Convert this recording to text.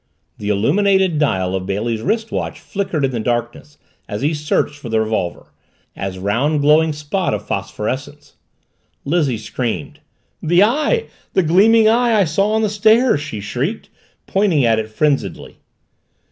The illuminated dial of Bailey's wrist watch flickered in the darkness as he searched for the revolver as round, glowing spot of phosphorescence. Lizzie screamed. "The eye! The gleaming eye I saw on the stairs!" she shrieked, pointing at it frenziedly.